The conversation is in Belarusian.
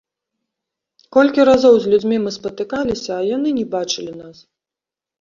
Колькі разоў з людзьмі мы спатыкаліся, а яны не бачылі нас!